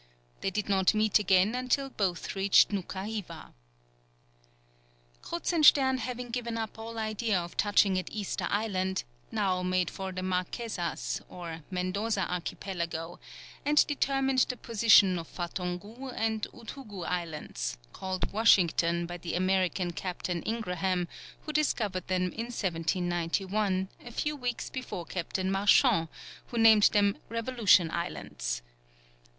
They did not meet again until both reached Noukha Hiva. Kruzenstern having given up all idea of touching at Easter Island, now made for the Marquesas, or Mendoza Archipelago, and determined the position of Fatongou and Udhugu Islands, called Washington by the American Captain Ingraham, who discovered them in 1791, a few weeks before Captain Marchand, who named them Revolution Islands.